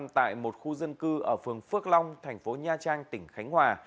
tại một khu dân cư ở phường phước long tp nha trang tỉnh khánh hòa